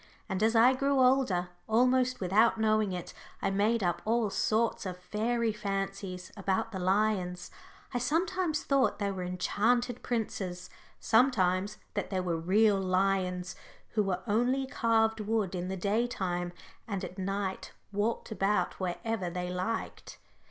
And as I grew older, almost without knowing it, I made up all sorts of fairy fancies about the lions I sometimes thought they were enchanted princes, sometimes that they were real lions who were only carved wood in the day time, and at night walked about wherever they liked.